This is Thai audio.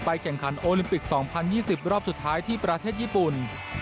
แข่งขันโอลิมปิก๒๐๒๐รอบสุดท้ายที่ประเทศญี่ปุ่น